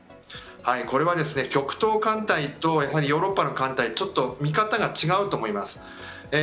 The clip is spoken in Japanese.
これは極東艦隊とヨーロッパの艦隊少し見方が違うと思います。